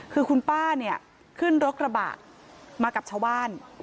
คือคุณป้าเนี่ยขึ้นรถกระบะมากับชาวบ้าน